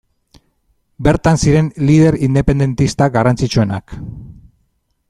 Bertan ziren lider independentista garrantzitsuenak.